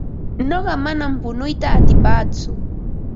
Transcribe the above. Nuqa manam punuyta atipaatsu.